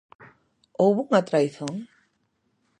Houbo unha traizón?